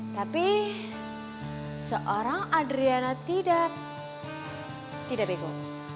tapi seorang adriana tidak tidak bego